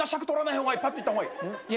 パッといった方がいい。